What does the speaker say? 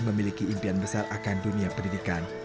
memiliki impian besar akan dunia pendidikan